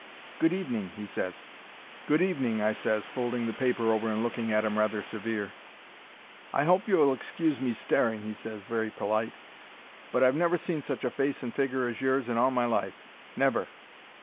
"Good evening," he ses. "Good evening," I ses, folding the paper over and looking at 'im rather severe. "I hope you'll excuse me staring," he ses, very perlite; "but I've never seen such a face and figger as yours in all my life—never."